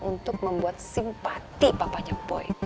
untuk membuat simpati papanya boy